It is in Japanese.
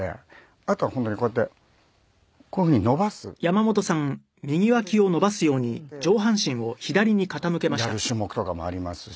あとは本当にこうやってこういうふうに伸ばすっていうストレッチさせてやる種目とかもありますし。